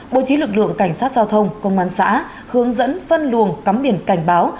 bố trí lực lượng cảnh sát giao thông công an xã hướng dẫn phân luồng cắm biển cảnh báo